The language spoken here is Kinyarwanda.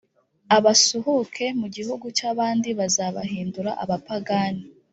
abasuhuke mu gihugu cy’ abandi bazabahindura abapagani